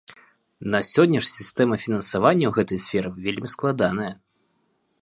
На сёння ж сістэма фінансавання ў гэтай сферы вельмі складаная.